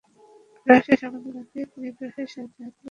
ব্রাশে সাবান লাগিয়ে নিয়ে ব্রাশের সাহায্যে হাত পরিষ্কার করা যেতে পারে।